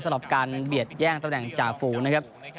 สำหรับการเบียดแย่งตำแหน่งจ่าฝูนะครับ